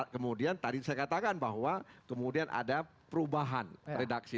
kemudian tadi saya katakan bahwa kemudian ada perubahan redaksi